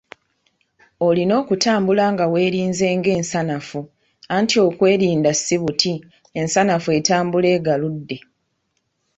Olina okutambula nga weerinze ng'ensanafu, anti okwerinda si buti ensanafu etambula egaludde.